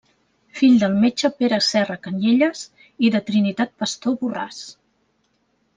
Fill del metge Pere Serra Canyelles i de Trinitat Pastor Borràs.